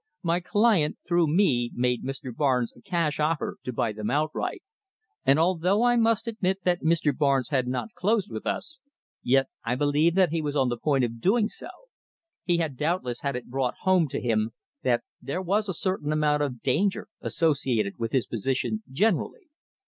My client, through me, made Mr. Barnes a cash offer to buy them outright, and although I must admit that Mr. Barnes had not closed with us, yet I believe that he was on the point of doing so. He had doubtless had it brought home to him that there was a certain amount of danger associated with his position generally.